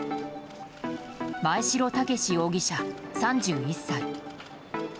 真栄城健容疑者、３１歳。